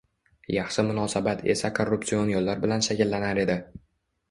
«Yaxshi munosabat» esa korrupsion yo‘llar bilan shakllanar edi.